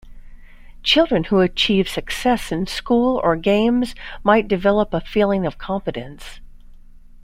Children who achieve success in school or games might develop a feeling of competence.